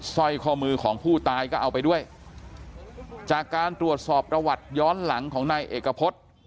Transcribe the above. สร้อยข้อมือของผู้ตายก็เอาไปด้วยจากการตรวจสอบประวัติย้อนหลังของนายเอกพฤษ